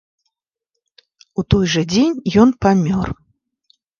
У той жа дзень ён памёр.